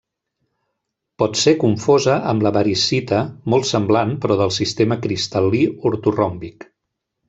Pot ser confosa amb la variscita, molt semblant però del sistema cristal·lí ortoròmbic.